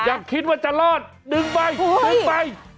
อย่าคิดว่าจะรอดดึงไปดึงไป